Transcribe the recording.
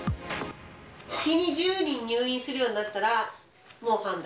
日に１０人入院するようになったら、もう判断。